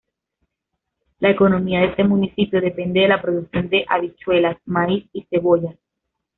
La economía de este municipio depende de la producción de habichuelas, maíz y cebollas.